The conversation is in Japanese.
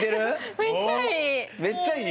めっちゃいい。